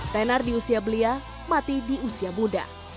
tenar di usia belia mati di usia muda